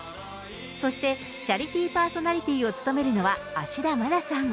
そしてチャリティーパーソナリティーを務めるのは芦田愛菜さん。